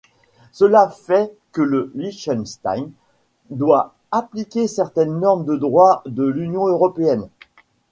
Cela fait que le Liechtenstein doit appliquer certaines normes de droit de l'Union européenne.